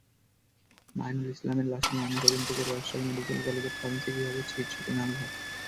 মাইনুল ইসলামের লাশের ময়নাতদন্ত করেন রাজশাহী মেডিকেল কলেজের ফরেনসিক বিভাগের চিকিৎসক এনামুল হক।